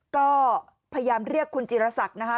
ก็พยายามเรียกคุณจิรศักดิ์นะคะ